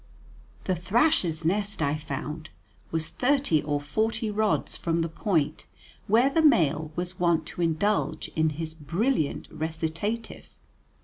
The thrasher's nest I found was thirty or forty rods from the point where the male was wont to indulge in his brilliant recitative.